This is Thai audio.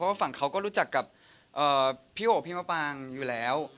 ว่าฝั่งเขาก็รู้จักกับพี่โอ๋พี่มะปางอยู่แล้ว